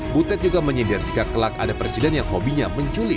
butet juga menyindir jika kelak ada presiden yang hobinya menculik